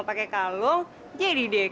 pake kalung jadi deh